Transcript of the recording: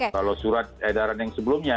kalau surat edaran yang sebelumnya